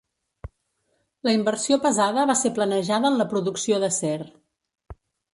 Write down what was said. La inversió pesada va ser planejada en la producció d'acer.